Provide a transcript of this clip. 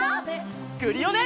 クリオネ！